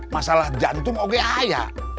masalah jantung oga ayah